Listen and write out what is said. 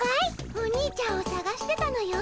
おにいちゃんをさがしてたのよ。